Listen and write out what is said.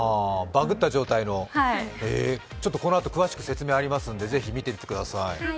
バグった状態と、このあと詳しく説明がありますのでぜひ見てみてください。